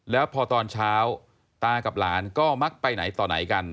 แล้วพอตอนเช้าตากับหลานก็มักไปไหนต่อไหนกัน